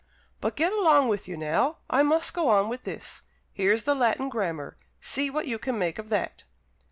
But get along with you now; I must go on with this. Here's the Latin Grammar. See what you can make of that."